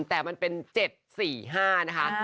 แต่มันเป็น๗๔๕นะคะ